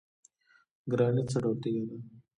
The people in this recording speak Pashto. ګرانیټ څه ډول تیږه ده؟